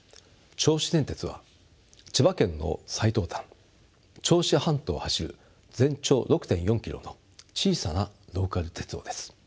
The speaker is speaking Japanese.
銚子電鉄は千葉県の最東端銚子半島を走る全長６．４ｋｍの小さなローカル鉄道です。